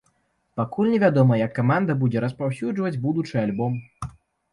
Пакуль невядома, як каманда будзе распаўсюджваць будучы альбом.